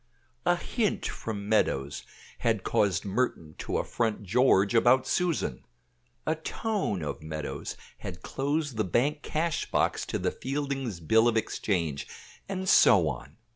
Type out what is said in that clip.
A hint from Meadows had caused Merton to affront George about Susan. A tone of Meadows had closed the bank cash box to the Fieldings' bill of exchange, and so on.